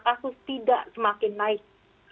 kasus tidak semakin naik